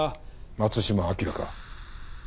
松島明か。